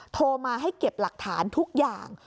โทรมาให้เก็บหลักฐานทุกอย่าง